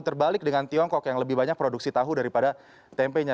terbalik dengan tiongkok yang lebih banyak produksi tahu daripada tempenya